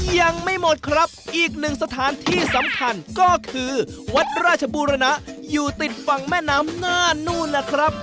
ยังไม่หมดครับอีกหนึ่งสถานที่สำคัญก็คือวัดราชบูรณะอยู่ติดฝั่งแม่น้ำน่านนู่นล่ะครับ